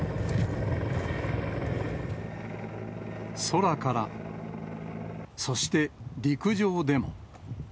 空から、そして陸上でも。